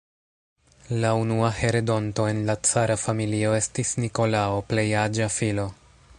La unua heredonto en la cara familio estis "Nikolao", plej aĝa filo.